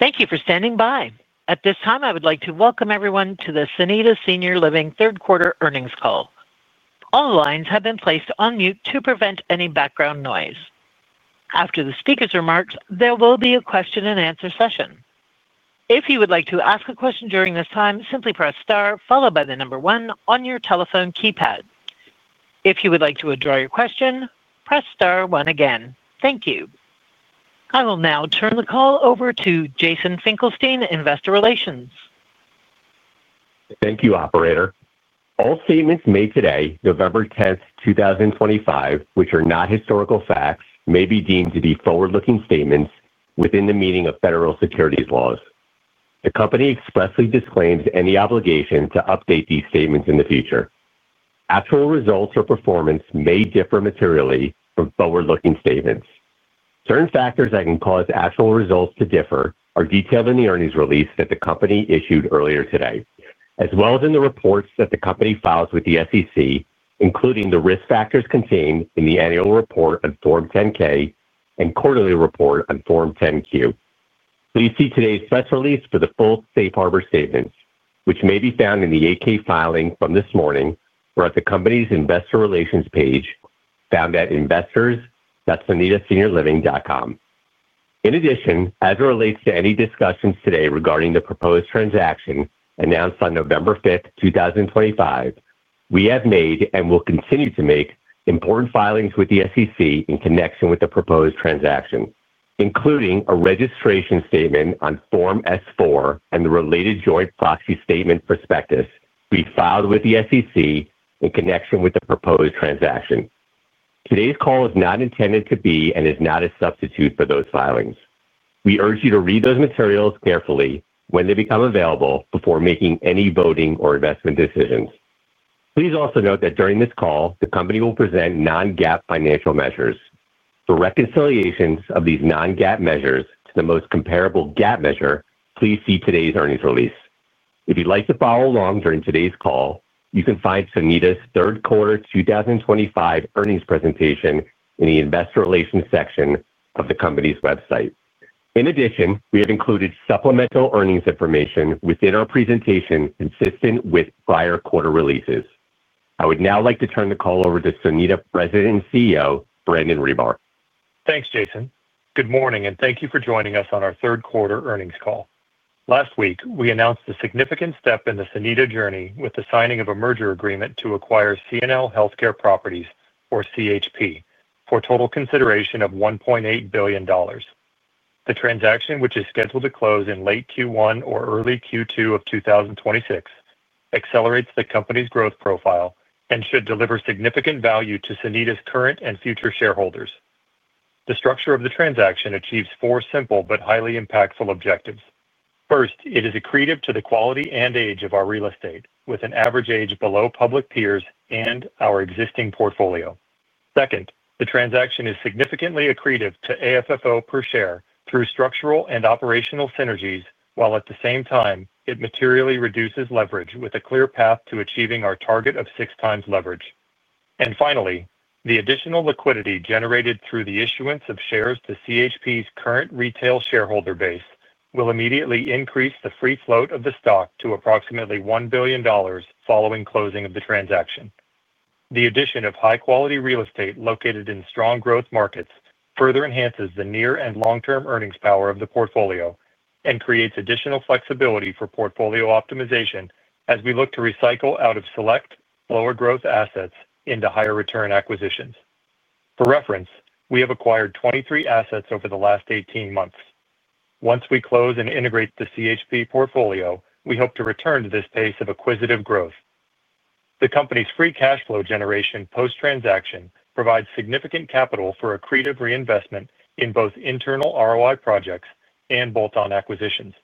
Thank you for standing by. At this time, I would like to welcome everyone to the Sonida Senior Living third-quarter earnings call. All lines have been placed on mute to prevent any background noise. After the speaker's remarks, there will be a question-and-answer session. If you would like to ask a question during this time, simply press star followed by the number one on your telephone keypad. If you would like to withdraw your question, press star one again. Thank you. I will now turn the call over to Jason Finkelstein, Investor Relations. Thank you, Operator. All statements made today, November 10th, 2025, which are not historical facts, may be deemed to be forward-looking statements within the meaning of federal securities laws. The company expressly disclaims any obligation to update these statements in the future. Actual results or performance may differ materially from forward-looking statements. Certain factors that can cause actual results to differ are detailed in the earnings release that the company issued earlier today, as well as in the reports that the company files with the SEC, including the risk factors contained in the annual report on Form 10-K and quarterly report on Form 10-Q. Please see today's press release for the full Safe Harbor statements, which may be found in the AK filing from this morning or at the company's Investor Relations page, found at investors.sonidaseniorliving.com. In addition, as it relates to any discussions today regarding the proposed transaction announced on November 5th, 2025, we have made and will continue to make important filings with the SEC in connection with the proposed transaction, including a registration statement on Form S-4 and the related joint proxy statement prospectus we filed with the SEC in connection with the proposed transaction. Today's call is not intended to be and is not a substitute for those filings. We urge you to read those materials carefully when they become available before making any voting or investment decisions. Please also note that during this call, the company will present non-GAAP financial measures. For reconciliations of these non-GAAP measures to the most comparable GAAP measure, please see today's earnings release. If you'd like to follow along during today's call, you can find Sonida's third quarter 2025 earnings presentation in the Investor Relations section of the company's website. In addition, we have included supplemental earnings information within our presentation consistent with prior quarter releases. I would now like to turn the call over to Sonida President and CEO, Brandon Ribar. Thanks, Jason. Good morning, and thank you for joining us on our third quarter earnings call. Last week, we announced a significant step in the Sonida journey with the signing of a merger agreement to acquire C&L Healthcare Properties, or CHP, for total consideration of $1.8 billion. The transaction, which is scheduled to close in late Q1 or early Q2 of 2026, accelerates the company's growth profile and should deliver significant value to Sonida's current and future shareholders. The structure of the transaction achieves four simple but highly impactful objectives. First, it is accretive to the quality and age of our real estate, with an average age below public peers and our existing portfolio. Second, the transaction is significantly accretive to AFFO per share through structural and operational synergies, while at the same time, it materially reduces leverage with a clear path to achieving our target of six times leverage. The additional liquidity generated through the issuance of shares to CHP's current retail shareholder base will immediately increase the free float of the stock to approximately $1 billion following closing of the transaction. The addition of high-quality real estate located in strong growth markets further enhances the near and long-term earnings power of the portfolio and creates additional flexibility for portfolio optimization as we look to recycle out of select, lower-growth assets into higher-return acquisitions. For reference, we have acquired 23 assets over the last 18 months. Once we close and integrate the CHP portfolio, we hope to return to this pace of acquisitive growth. The company's free cash flow generation post-transaction provides significant capital for accretive reinvestment in both internal ROI projects and bolt-on acquisitions.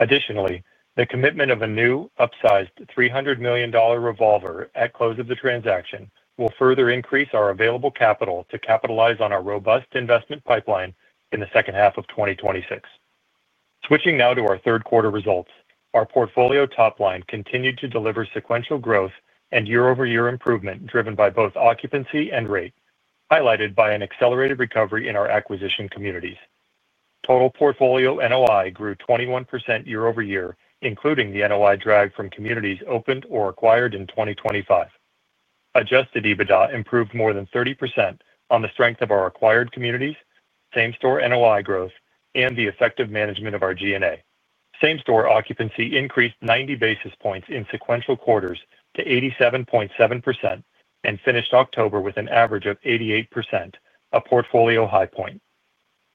Additionally, the commitment of a new, upsized $300 million revolver at close of the transaction will further increase our available capital to capitalize on our robust investment pipeline in the second half of 2026. Switching now to our third quarter results, our portfolio top line continued to deliver sequential growth and year-over-year improvement driven by both occupancy and rate, highlighted by an accelerated recovery in our acquisition communities. Total portfolio NOI grew 21% year-over-year, including the NOI drag from communities opened or acquired in 2025. Adjusted EBITDA improved more than 30% on the strength of our acquired communities, same-store NOI growth, and the effective management of our G&A. Same-store occupancy increased 90 basis points in sequential quarters to 87.7% and finished October with an average of 88%, a portfolio high point.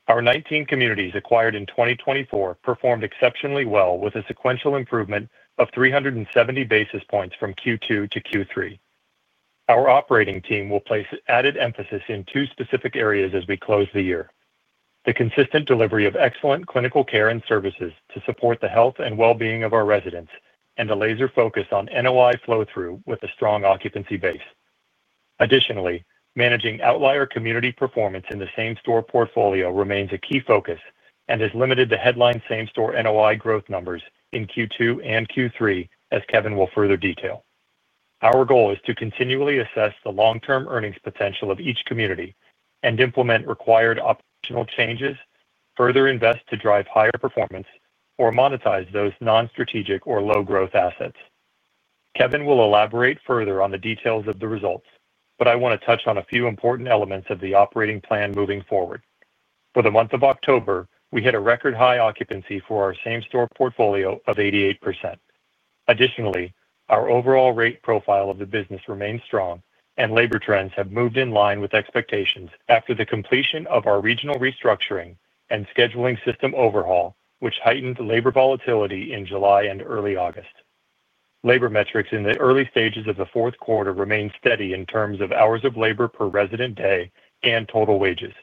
Our 19 communities acquired in 2024 performed exceptionally well with a sequential improvement of 370 basis points from Q2 to Q3. Our operating team will place added emphasis in two specific areas as we close the year: the consistent delivery of excellent clinical care and services to support the health and well-being of our residents, and a laser focus on NOI flow-through with a strong occupancy base. Additionally, managing outlier community performance in the same-store portfolio remains a key focus and has limited the headline same-store NOI growth numbers in Q2 and Q3, as Kevin will further detail. Our goal is to continually assess the long-term earnings potential of each community and implement required operational changes, further invest to drive higher performance, or monetize those non-strategic or low-growth assets. Kevin will elaborate further on the details of the results, but I want to touch on a few important elements of the operating plan moving forward. For the month of October, we hit a record high occupancy for our same-store portfolio of 88%. Additionally, our overall rate profile of the business remains strong, and labor trends have moved in line with expectations after the completion of our regional restructuring and scheduling system overhaul, which heightened labor volatility in July and early August. Labor metrics in the early stages of the fourth quarter remain steady in terms of hours of labor per resident day and total wages.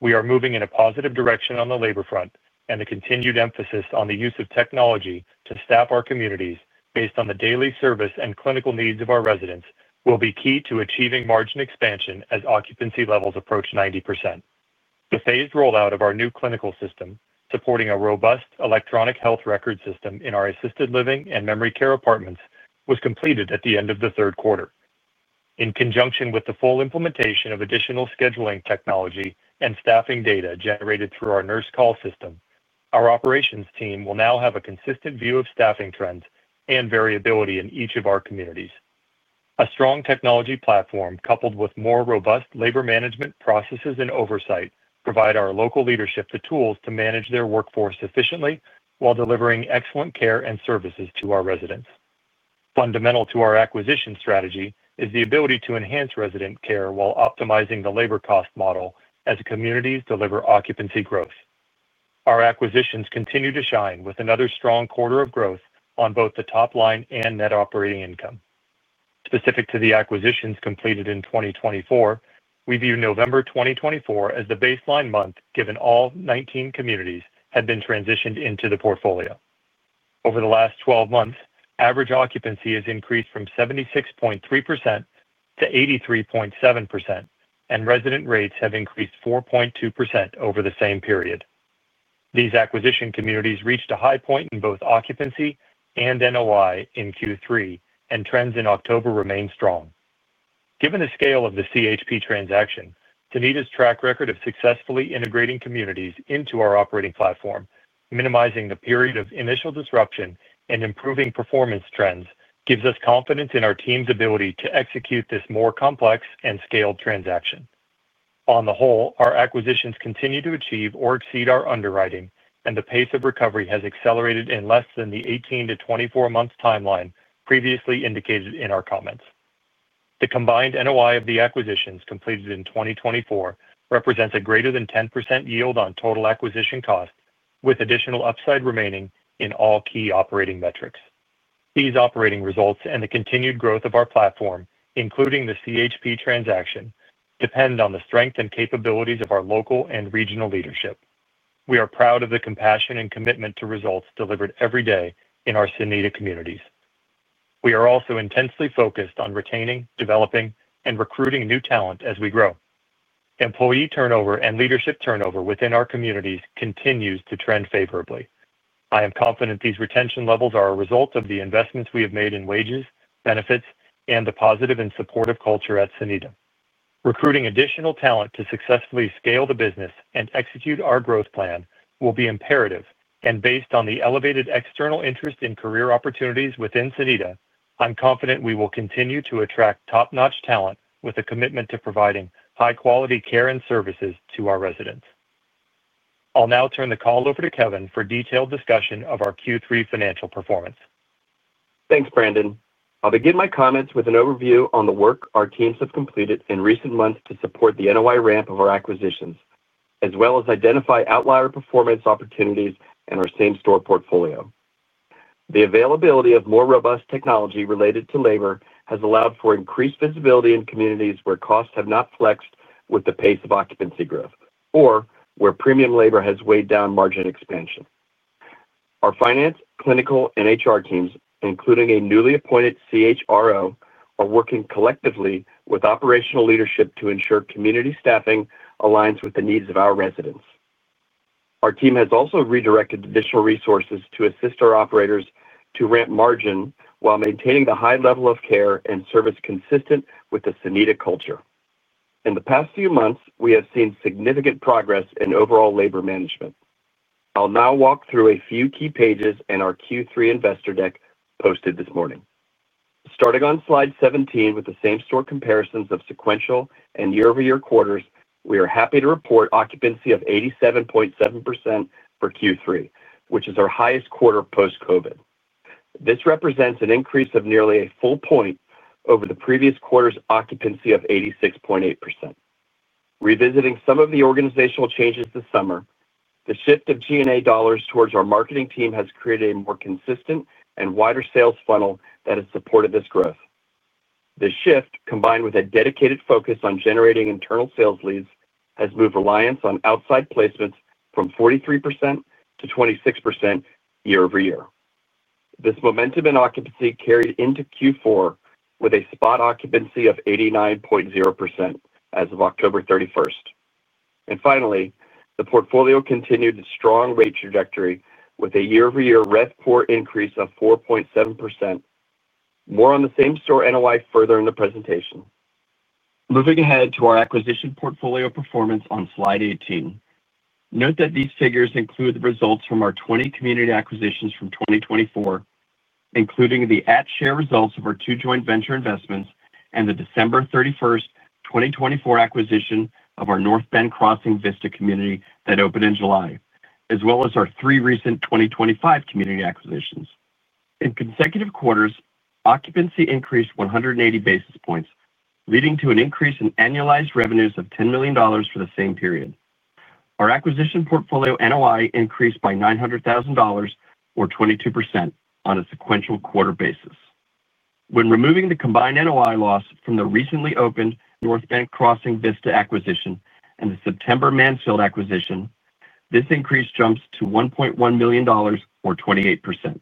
We are moving in a positive direction on the labor front, and the continued emphasis on the use of technology to staff our communities based on the daily service and clinical needs of our residents will be key to achieving margin expansion as occupancy levels approach 90%. The phased rollout of our new clinical system supporting a robust electronic health record system in our assisted living and memory care apartments was completed at the end of the third quarter. In conjunction with the full implementation of additional scheduling technology and staffing data generated through our nurse call system, our operations team will now have a consistent view of staffing trends and variability in each of our communities. A strong technology platform coupled with more robust labor management processes and oversight provide our local leadership the tools to manage their workforce efficiently while delivering excellent care and services to our residents. Fundamental to our acquisition strategy is the ability to enhance resident care while optimizing the labor cost model as communities deliver occupancy growth. Our acquisitions continue to shine with another strong quarter of growth on both the top line and net operating income. Specific to the acquisitions completed in 2024, we view November 2024 as the baseline month given all 19 communities had been transitioned into the portfolio. Over the last 12 months, average occupancy has increased from 76.3% to 83.7%, and resident rates have increased 4.2% over the same period. These acquisition communities reached a high point in both occupancy and NOI in Q3, and trends in October remain strong. Given the scale of the CHP transaction, Sonida's track record of successfully integrating communities into our operating platform, minimizing the period of initial disruption, and improving performance trends gives us confidence in our team's ability to execute this more complex and scaled transaction. On the whole, our acquisitions continue to achieve or exceed our underwriting, and the pace of recovery has accelerated in less than the 18-24 months timeline previously indicated in our comments. The combined NOI of the acquisitions completed in 2024 represents a greater than 10% yield on total acquisition cost, with additional upside remaining in all key operating metrics. These operating results and the continued growth of our platform, including the CHP transaction, depend on the strength and capabilities of our local and regional leadership. We are proud of the compassion and commitment to results delivered every day in our Sonida communities. We are also intensely focused on retaining, developing, and recruiting new talent as we grow. Employee turnover and leadership turnover within our communities continues to trend favorably. I am confident these retention levels are a result of the investments we have made in wages, benefits, and the positive and supportive culture at Sonida. Recruiting additional talent to successfully scale the business and execute our growth plan will be imperative, and based on the elevated external interest in career opportunities within Sonida, I'm confident we will continue to attract top-notch talent with a commitment to providing high-quality care and services to our residents. I'll now turn the call over to Kevin for detailed discussion of our Q3 financial performance. Thanks, Brandon. I'll begin my comments with an overview on the work our teams have completed in recent months to support the NOI ramp of our acquisitions, as well as identify outlier performance opportunities in our same-store portfolio. The availability of more robust technology related to labor has allowed for increased visibility in communities where costs have not flexed with the pace of occupancy growth, or where premium labor has weighed down margin expansion. Our finance, clinical, and HR teams, including a newly appointed CHRO, are working collectively with operational leadership to ensure community staffing aligns with the needs of our residents. Our team has also redirected additional resources to assist our operators to ramp margin while maintaining the high level of care and service consistent with the Sonida culture. In the past few months, we have seen significant progress in overall labor management. I'll now walk through a few key pages in our Q3 investor deck posted this morning. Starting on slide 17 with the same-store comparisons of sequential and year-over-year quarters, we are happy to report occupancy of 87.7% for Q3, which is our highest quarter post-COVID. This represents an increase of nearly a full point over the previous quarter's occupancy of 86.8%. Revisiting some of the organizational changes this summer, the shift of G&A dollars towards our marketing team has created a more consistent and wider sales funnel that has supported this growth. This shift, combined with a dedicated focus on generating internal sales leads, has moved reliance on outside placements from 43% to 26% year-over-year. This momentum in occupancy carried into Q4 with a spot occupancy of 89.0% as of October 31st. Finally, the portfolio continued its strong rate trajectory with a year-over-year REF core increase of 4.7%. More on the same-store NOI further in the presentation. Moving ahead to our acquisition portfolio performance on slide 18. Note that these figures include the results from our 20 community acquisitions from 2024, including the at-share results of our two joint venture investments and the December 31, 2024 acquisition of our North Bend Crossing Vista community that opened in July, as well as our three recent 2025 community acquisitions. In consecutive quarters, occupancy increased 180 basis points, leading to an increase in annualized revenues of $10 million for the same period. Our acquisition portfolio NOI increased by $900,000 or 22% on a sequential quarter basis. When removing the combined NOI loss from the recently opened North Bend Crossing Vista acquisition and the September Mansfield acquisition, this increase jumps to $1.1 million or 28%.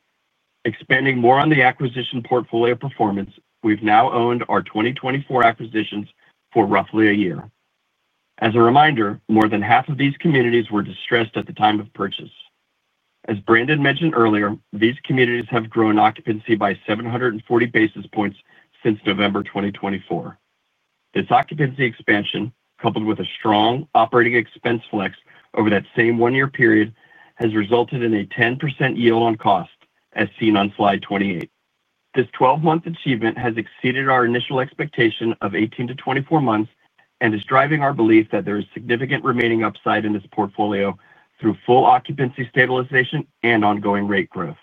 Expanding more on the acquisition portfolio performance, we've now owned our 2024 acquisitions for roughly a year. As a reminder, more than half of these communities were distressed at the time of purchase. As Brandon mentioned earlier, these communities have grown occupancy by 740 basis points since November 2024. This occupancy expansion, coupled with a strong operating expense flex over that same one-year period, has resulted in a 10% yield on cost, as seen on slide 28. This 12-month achievement has exceeded our initial expectation of 18-24 months and is driving our belief that there is significant remaining upside in this portfolio through full occupancy stabilization and ongoing rate growth.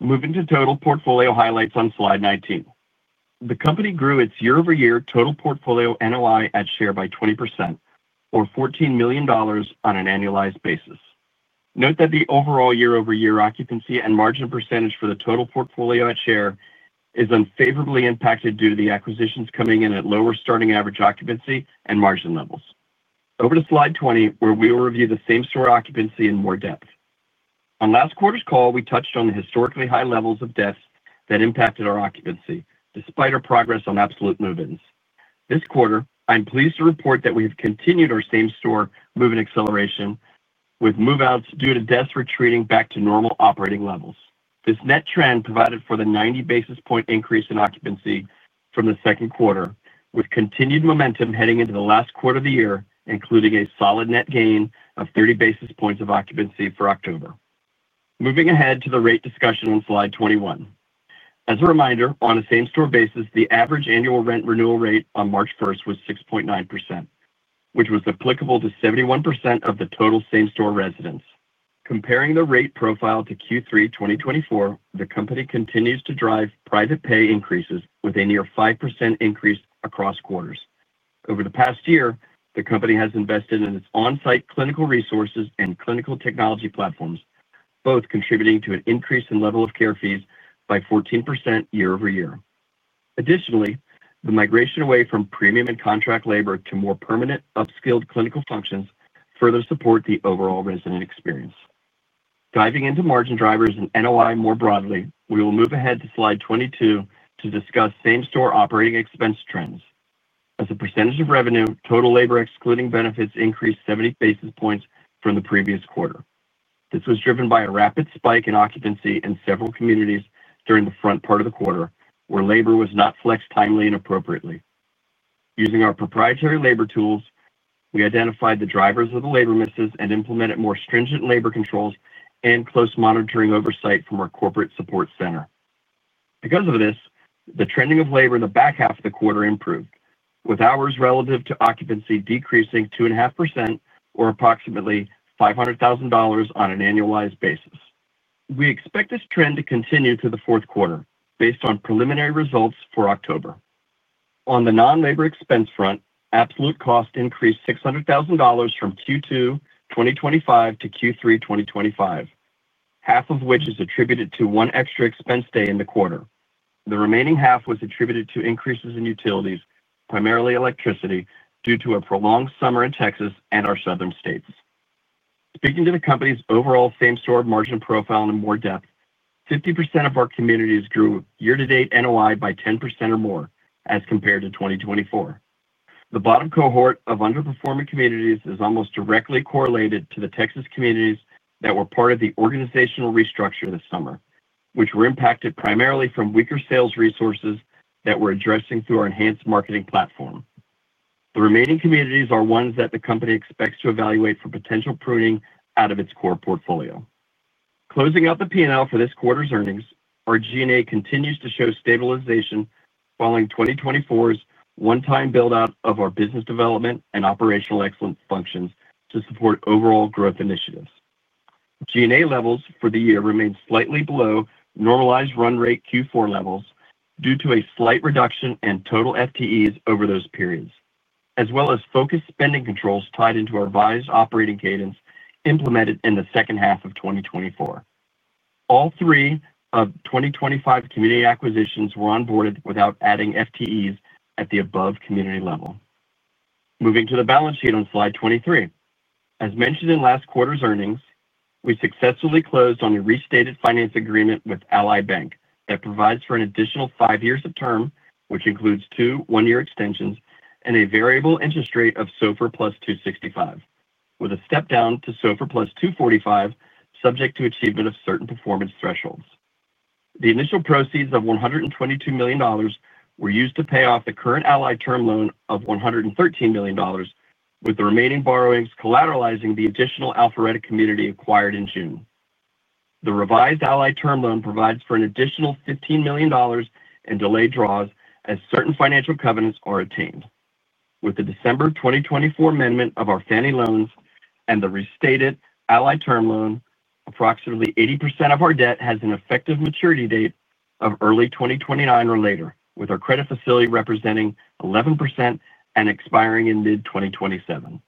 Moving to total portfolio highlights on slide 19. The company grew its year-over-year total portfolio NOI at share by 20%, or $14 million on an annualized basis. Note that the overall year-over-year occupancy and margin percentage for the total portfolio at share is unfavorably impacted due to the acquisitions coming in at lower starting average occupancy and margin levels. Over to slide 20, where we will review the same-store occupancy in more depth. On last quarter's call, we touched on the historically high levels of deaths that impacted our occupancy, despite our progress on absolute move-ins. This quarter, I'm pleased to report that we have continued our same-store move-in acceleration, with move-outs due to deaths retreating back to normal operating levels. This net trend provided for the 90 basis point increase in occupancy from the second quarter, with continued momentum heading into the last quarter of the year, including a solid net gain of 30 basis points of occupancy for October. Moving ahead to the rate discussion on slide 21. As a reminder, on a same-store basis, the average annual rent renewal rate on March 1st was 6.9%, which was applicable to 71% of the total same-store residents. Comparing the rate profile to Q3 2024, the company continues to drive private pay increases with a near 5% increase across quarters. Over the past year, the company has invested in its on-site clinical resources and clinical technology platforms, both contributing to an increase in level of care fees by 14% year-over-year. Additionally, the migration away from premium and contract labor to more permanent, upskilled clinical functions further supports the overall resident experience. Diving into margin drivers and NOI more broadly, we will move ahead to slide 22 to discuss same-store operating expense trends. As a percentage of revenue, total labor excluding benefits increased 70 basis points from the previous quarter. This was driven by a rapid spike in occupancy in several communities during the front part of the quarter, where labor was not flexed timely and appropriately. Using our proprietary labor tools, we identified the drivers of the labor misses and implemented more stringent labor controls and close monitoring oversight from our corporate support center. Because of this, the trending of labor in the back half of the quarter improved, with hours relative to occupancy decreasing 2.5%, or approximately $500,000 on an annualized basis. We expect this trend to continue through the fourth quarter, based on preliminary results for October. On the non-labor expense front, absolute cost increased $600,000 from Q2 2025 to Q3 2025, half of which is attributed to one extra expense day in the quarter. The remaining half was attributed to increases in utilities, primarily electricity, due to a prolonged summer in Texas and our southern states. Speaking to the company's overall same-store margin profile in more depth, 50% of our communities grew year-to-date NOI by 10% or more as compared to 2024. The bottom cohort of underperforming communities is almost directly correlated to the Texas communities that were part of the organizational restructure this summer, which were impacted primarily from weaker sales resources that we're addressing through our enhanced marketing platform. The remaining communities are ones that the company expects to evaluate for potential pruning out of its core portfolio. Closing out the P&L for this quarter's earnings, our G&A continues to show stabilization following 2024's one-time build-out of our business development and operational excellence functions to support overall growth initiatives. G&A levels for the year remain slightly below normalized run rate Q4 levels due to a slight reduction in total FTEs over those periods, as well as focused spending controls tied into our revised operating cadence implemented in the second half of 2024. All three of 2025 community acquisitions were onboarded without adding FTEs at the above community level. Moving to the balance sheet on slide 23. As mentioned in last quarter's earnings, we successfully closed on a restated finance agreement with Ally Bank that provides for an additional five years of term, which includes two one-year extensions and a variable interest rate of SOFR plus 265, with a step down to SOFR plus 245, subject to achievement of certain performance thresholds. The initial proceeds of $122 million were used to pay off the current Ally term loan of $113 million, with the remaining borrowings collateralizing the additional Alpharetta community acquired in June. The revised Ally term loan provides for an additional $15 million in delayed draws as certain financial covenants are attained. With the December 2024 amendment of our Fannie loans and the restated Ally term loan, approximately 80% of our debt has an effective maturity date of early 2029 or later, with our credit facility representing 11% and expiring in mid-2027.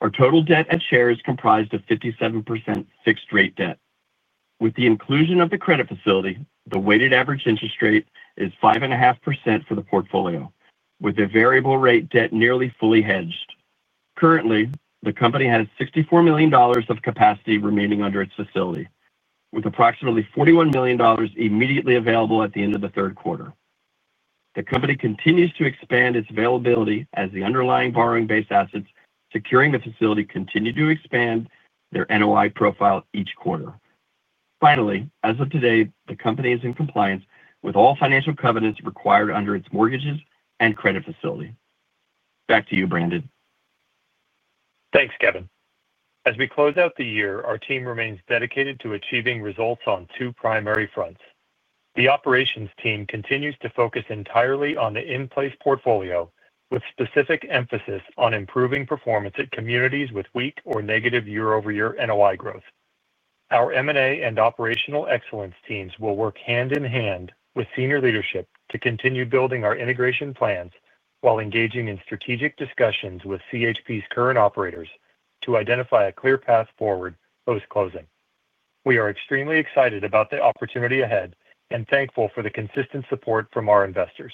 Our total debt at share is comprised of 57% fixed-rate debt. With the inclusion of the credit facility, the weighted average interest rate is 5.5% for the portfolio, with the variable rate debt nearly fully hedged. Currently, the company has $64 million of capacity remaining under its facility, with approximately $41 million immediately available at the end of the third quarter. The company continues to expand its availability as the underlying borrowing-based assets securing the facility continue to expand their NOI profile each quarter. Finally, as of today, the company is in compliance with all financial covenants required under its mortgages and credit facility. Back to you, Brandon. Thanks, Kevin. As we close out the year, our team remains dedicated to achieving results on two primary fronts. The operations team continues to focus entirely on the in-place portfolio, with specific emphasis on improving performance at communities with weak or negative year-over-year NOI growth. Our M&A and operational excellence teams will work hand in hand with senior leadership to continue building our integration plans while engaging in strategic discussions with CHP's current operators to identify a clear path forward post-closing. We are extremely excited about the opportunity ahead and thankful for the consistent support from our investors.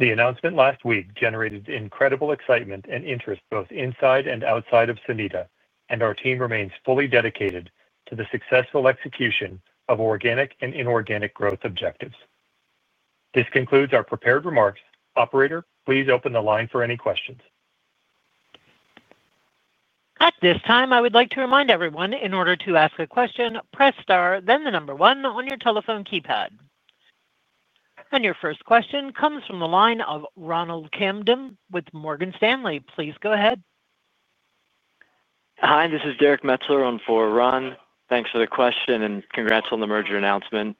The announcement last week generated incredible excitement and interest both inside and outside of Sonida, and our team remains fully dedicated to the successful execution of organic and inorganic growth objectives. This concludes our prepared remarks. Operator, please open the line for any questions. At this time, I would like to remind everyone, in order to ask a question, press star, then the number one on your telephone keypad. Your first question comes from the line of Ronald Camden with Morgan Stanley. Please go ahead. Hi, this is Derrick Metzler on for Ron. Thanks for the question and congrats on the merger announcement.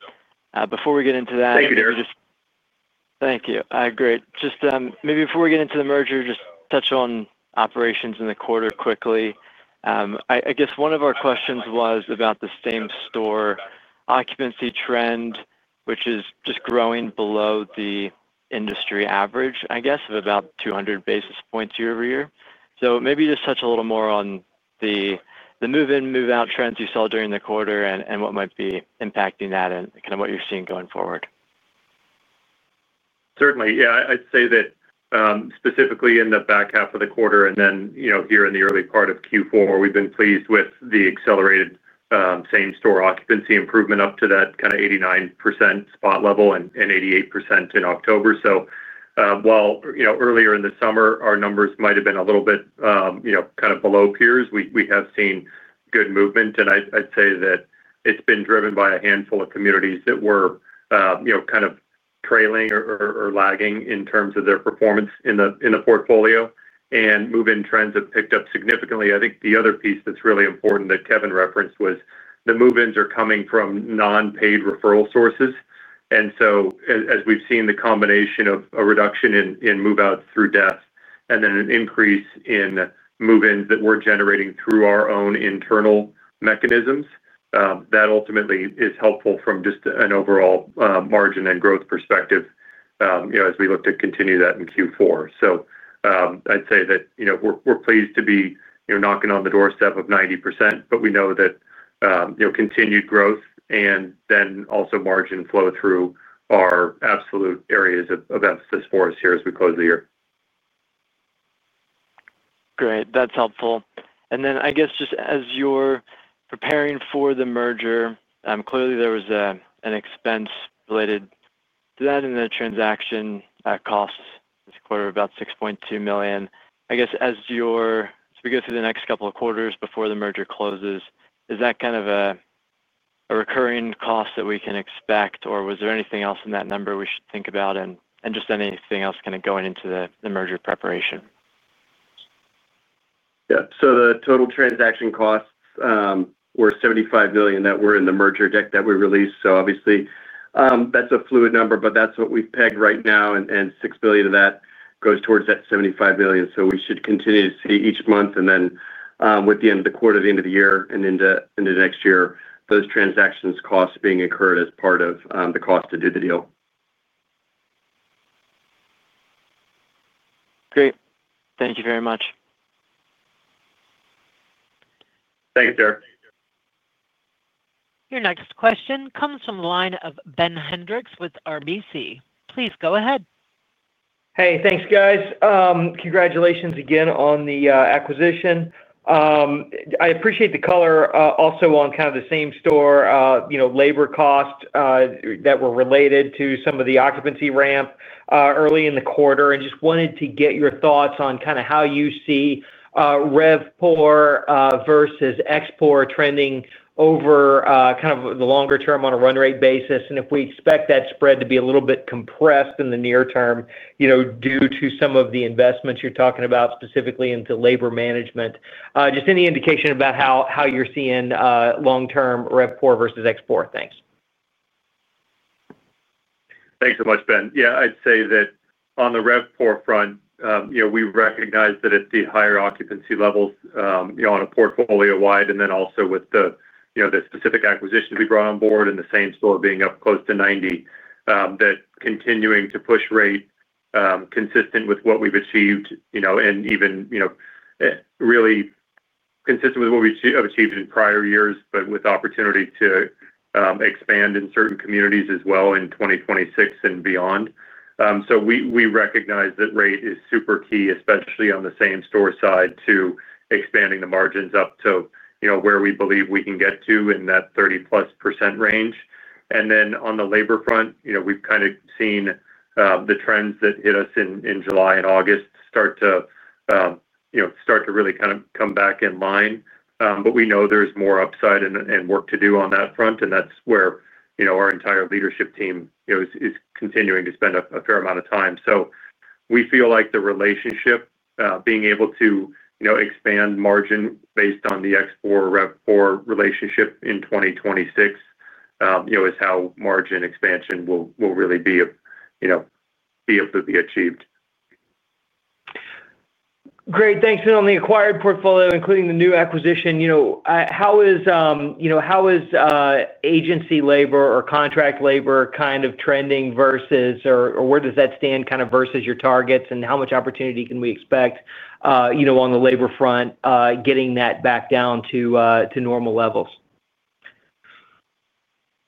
Before we get into that. Thank you, Derrick. Thank you. Great. Just maybe before we get into the merger, just touch on operations in the quarter quickly. I guess one of our questions was about the same-store occupancy trend, which is just growing below the industry average, I guess, of about 200 basis points year-over-year. So maybe just touch a little more on the move-in, move-out trends you saw during the quarter and what might be impacting that and kind of what you're seeing going forward. Certainly. Yeah, I'd say that specifically in the back half of the quarter and then here in the early part of Q4, we've been pleased with the accelerated same-store occupancy improvement up to that kind of 89% spot level and 88% in October. Earlier in the summer, our numbers might have been a little bit kind of below peers, we have seen good movement. I'd say that it's been driven by a handful of communities that were kind of trailing or lagging in terms of their performance in the portfolio, and move-in trends have picked up significantly. I think the other piece that's really important that Kevin referenced was the move-ins are coming from non-paid referral sources. As we've seen the combination of a reduction in move-outs through death and then an increase in move-ins that we're generating through our own internal mechanisms, that ultimately is helpful from just an overall margin and growth perspective as we look to continue that in Q4. I'd say that we're pleased to be knocking on the doorstep of 90%, but we know that continued growth and then also margin flow through are absolute areas of emphasis for us here as we close the year. Great. That's helpful. I guess just as you're preparing for the merger, clearly there was an expense related to that in the transaction costs this quarter, about $6.2 million. I guess as we go through the next couple of quarters before the merger closes, is that kind of a recurring cost that we can expect, or was there anything else in that number we should think about and just anything else kind of going into the merger preparation? Yeah. The total transaction costs were $75 million that were in the merger deck that we released. Obviously, that's a fluid number, but that's what we've pegged right now, and $6 million of that goes towards that $75 million. We should continue to see each month and then with the end of the quarter, the end of the year, and into next year, those transaction costs being incurred as part of the cost to do the deal. Great. Thank you very much. Thanks, Derek. Your next question comes from the line of Ben Hendrix with RBC. Please go ahead. Hey, thanks, guys. Congratulations again on the acquisition. I appreciate the color also on kind of the same-store labor costs that were related to some of the occupancy ramp early in the quarter. I just wanted to get your thoughts on kind of how you see RevPAR versus expense trending over kind of the longer term on a run rate basis. If we expect that spread to be a little bit compressed in the near term due to some of the investments you're talking about specifically into labor management, just any indication about how you're seeing long-term RevPAR versus expense? Thanks. Thanks so much, Ben. Yeah, I'd say that on the RevPAR front, we recognize that it's the higher occupancy levels on a portfolio-wide and then also with the specific acquisitions we brought on board and the same-store being up close to 90%, that continuing to push rate consistent with what we've achieved and even really consistent with what we've achieved in prior years, but with opportunity to expand in certain communities as well in 2026 and beyond. We recognize that rate is super key, especially on the same-store side to expanding the margins up to where we believe we can get to in that 30-plus % range. On the labor front, we've kind of seen the trends that hit us in July and August start to really kind of come back in line. We know there's more upside and work to do on that front, and that's where our entire leadership team is continuing to spend a fair amount of time. We feel like the relationship, being able to expand margin based on the export RevPAR relationship in 2026, is how margin expansion will really be able to be achieved. Great. Thanks. On the acquired portfolio, including the new acquisition, how is agency labor or contract labor kind of trending versus or where does that stand kind of versus your targets? How much opportunity can we expect on the labor front, getting that back down to normal levels?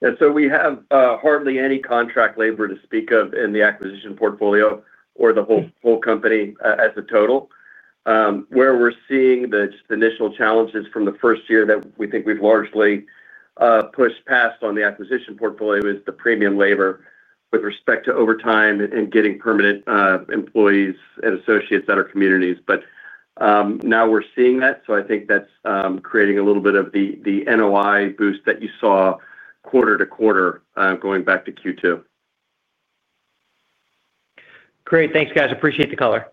Yeah. We have hardly any contract labor to speak of in the acquisition portfolio or the whole company as a total. Where we're seeing the initial challenges from the first year that we think we've largely pushed past on the acquisition portfolio is the premium labor with respect to overtime and getting permanent employees and associates at our communities. Now we're seeing that. I think that's creating a little bit of the NOI boost that you saw quarter to quarter going back to Q2. Great. Thanks, guys. Appreciate the color.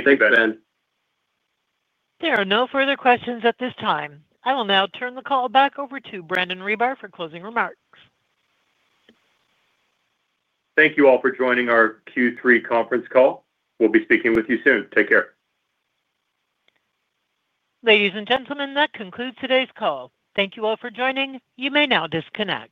Thanks, Ben. There are no further questions at this time. I will now turn the call back over to Brandon Ribar for closing remarks. Thank you all for joining our Q3 conference call. We'll be speaking with you soon. Take care. Ladies and gentlemen, that concludes today's call. Thank you all for joining. You may now disconnect.